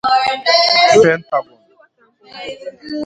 Pentagon